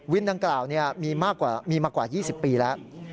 วินดังกล่าวมีมากกว่า๒๐ปีแล้ว